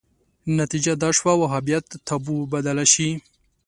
نتیجه دا شوه وهابیت تابو بدله شي